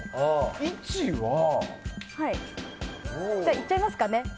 いっちゃいますかね。